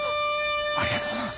ありがとうございます。